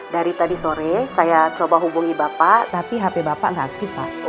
dari tadi sore saya coba hubungi bapak tapi hp bapak nggak aktif pak